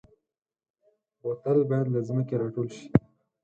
بوتل باید له ځمکې راټول شي.